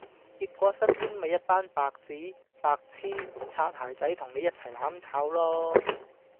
結果身邊咪一班白紙、白癡、擦鞋仔同你一齊攬炒囉